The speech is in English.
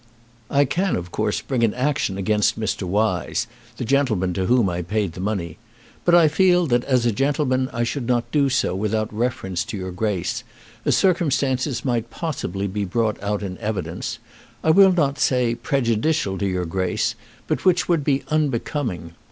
I can of course bring an action against Mr. Wise, the gentleman to whom I paid the money, but I feel that as a gentleman I should not do so without reference to your Grace, as circumstances might possibly be brought out in evidence, I will not say prejudicial to your Grace, but which would be unbecoming.